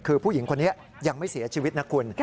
คือผู้หญิงคนนี้ยังไม่เสียชีวิตนะคุณ